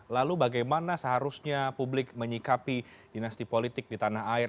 lalu bagaimana seharusnya publik menyikapi dinasti politik di tanah air